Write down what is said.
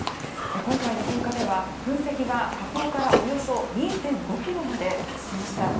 今回の噴火では、噴石が火口からおよそ２．５ｋｍまで達しました。